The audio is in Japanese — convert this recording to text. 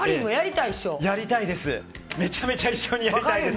やりたいです！